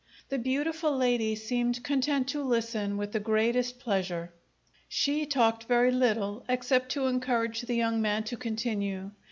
The beautiful lady seemed content to listen with the greatest pleasure. She talked very little, except to encourage the young man to continue.